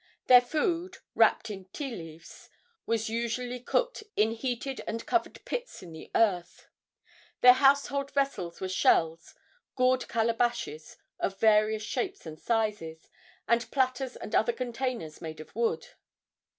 Their food, wrapped in ti leaves, was usually cooked in heated and covered pits in the earth. Their household vessels were shells, gourd calabashes of various shapes and sizes, and platters and other containers made of wood.